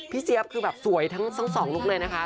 เจี๊ยบคือแบบสวยทั้งสองลุคเลยนะคะ